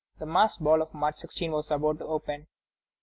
The masked ball of March 16 was about to open.